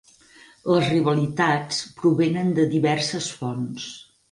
Les rivalitats provenen de diverses fonts.